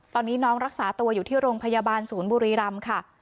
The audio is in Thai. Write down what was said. ตอนนี้น้องรักษาตัวอยู่ที่โรงพยาบาลศูนย์บุรีรำค่ะ